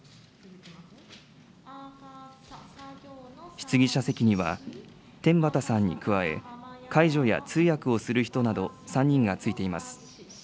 質疑者席には天畠さんに加え、介助や通訳をする人など、３人がついています。